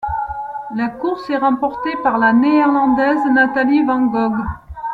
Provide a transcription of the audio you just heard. La course est remportée par la Néerlandaise Natalie van Gogh.